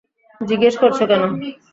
জিজ্ঞেস করছো কেন?